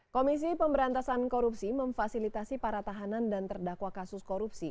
komisi pemberantasan korupsi memfasilitasi para tahanan dan terdakwa kasus korupsi